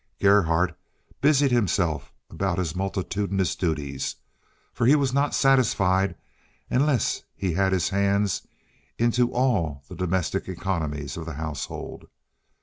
Gerhardt busied himself about his multitudinous duties, for he was not satisfied unless he had his hands into all the domestic economies of the household.